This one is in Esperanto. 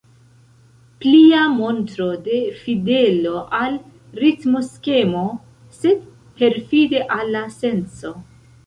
Plia montro de fidelo al ritmoskemo, sed perfide al la senco.